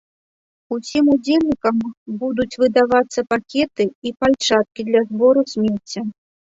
Усім удзельнікам будуць выдавацца пакеты і пальчаткі для збору смецця.